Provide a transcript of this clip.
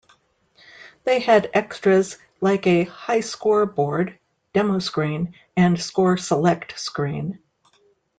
They had extras like a highscore board, demo screen, and score select screen.